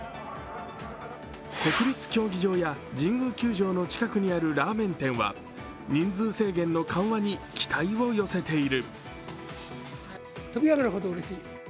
国立競技場や神宮球場の近くにあるラーメン店では人数制限の緩和に期待を寄せている。